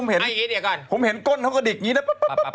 อันนี้คุณอยากเห็นเองรึเปล่า